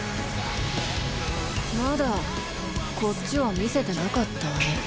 まだこっちは見せてなかったわね。